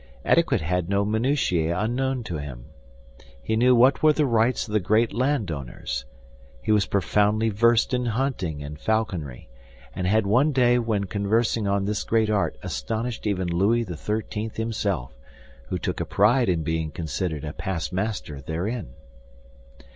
Etiquette had no minutiæ unknown to him. He knew what were the rights of the great land owners. He was profoundly versed in hunting and falconry, and had one day when conversing on this great art astonished even Louis XIII. himself, who took a pride in being considered a past master therein.